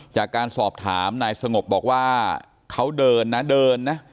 จากการสอบถามนายสงบบอกว่าเขาเดินนะเดินนะ